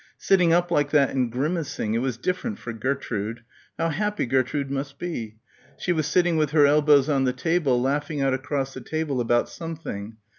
Sitting up like that and grimacing.... It was different for Gertrude. How happy Gertrude must be. She was sitting with her elbows on the table laughing out across the table about something....